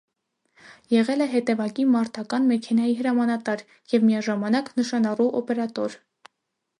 Եղել է հետևակի մարտական մեքենայի հրամանատար և միաժամանակ նշանառու օպերատոր։